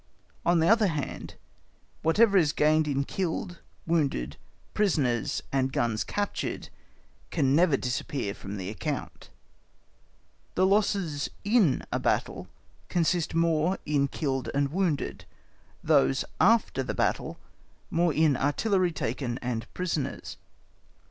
On the other hand, whatever is gained in killed, wounded, prisoners, and guns captured can never disappear from the account. The losses in a battle consist more in killed and wounded; those after the battle, more in artillery taken and prisoners.